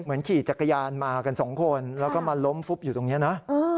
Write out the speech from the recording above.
ขี่จักรยานมากันสองคนแล้วก็มาล้มฟุบอยู่ตรงนี้นะ